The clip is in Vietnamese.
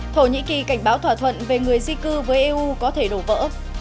thổ nhĩ kỳ cảnh báo thỏa thuận về người di cư với eu có thể đổ vỡ